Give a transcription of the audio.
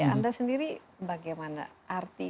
anda sendiri bagaimana arti